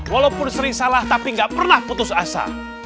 walaupun sering salah tapi nggak pernah putus asa